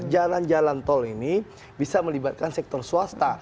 jalan jalan tol ini bisa melibatkan sektor swasta